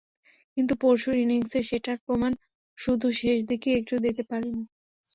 কিন্তু পরশুর ইনিংসে সেটার প্রমাণ শুধু শেষ দিকেই একটু দিতে পারলেন।